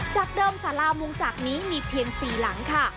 จากเดิมสารามุงจักรนี้มีเพียง๔หลังค่ะ